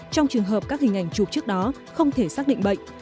trong trường hợp các hình ảnh chụp trước đó không thể xác định bệnh